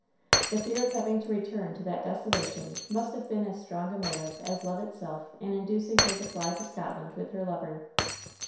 "The fear of having to return to that desolation must have been as strong a motive as love itself in inducing her to fly to Scotland with her lover.''